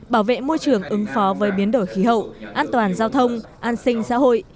bảo vệ môi trường ứng phó với biến đổi khí hậu an toàn giao thông an sinh xã hội